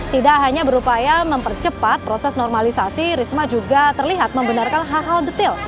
tidak hanya berupaya mempercepat proses normalisasi risma juga terlihat membenarkan hal hal detail